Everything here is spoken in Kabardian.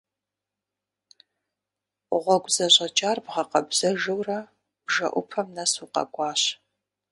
Гъуэгу зэщӀэкӀар бгъэкъэбзэжурэ, бжэӀупэм нэс укъэкӀуащ.